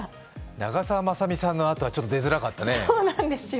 長澤まさみさんのあとはちょっと出づらかったですね。